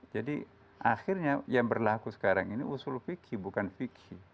jadi akhirnya yang berlaku sekarang ini usul fikih bukan fikih